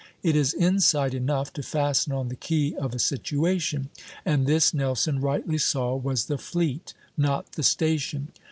It is insight enough to fasten on the key of a situation; and this Nelson rightly saw was the fleet, not the station.